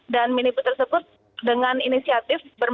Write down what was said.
dan minibus tersebut dengan inisiatif bermain